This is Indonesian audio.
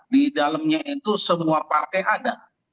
di dalamnya itu semua partai ada